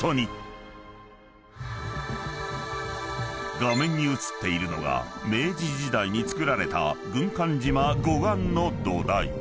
［画面に映っているのが明治時代に造られた軍艦島護岸の土台］